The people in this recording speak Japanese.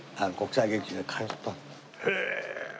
へえ！